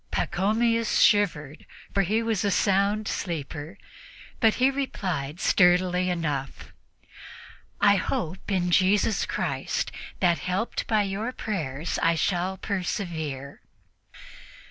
Pachomius shivered, for he was a sound sleeper, but he replied sturdily enough: "I hope in Jesus Christ that, helped by your prayers, I shall persevere."